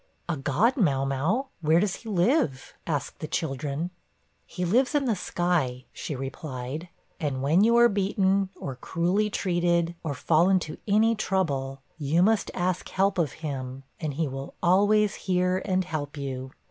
'A God, mau mau! Where does he live?' asked the children. 'He lives in the sky,' she replied; 'and when you are beaten, or cruelly treated, or fall into any trouble, you must ask help of him, and he will always hear and help you.'